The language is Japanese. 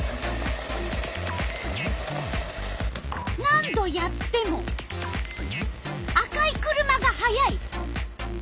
何度やっても赤い車が速い！